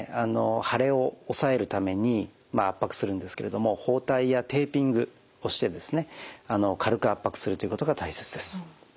腫れをおさえるために圧迫するんですけれども包帯やテーピングをしてですね軽く圧迫するということが大切です。